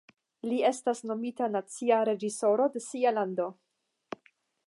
Li estas nomita nacia reĝisoro de sia lando.